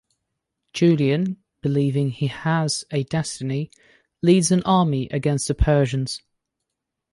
Julian, believing he has a destiny, leads an army against the Persians.